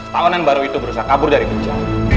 tahunan baru itu berusaha kabur dari bencana